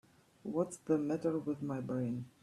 What's the matter with my brain?